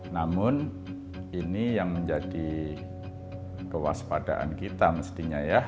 namun ini yang menjadi kewaspadaan kita mestinya ya